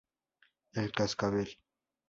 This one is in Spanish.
El cascabel